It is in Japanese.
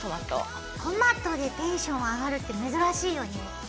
トマトでテンション上がるって珍しいよね？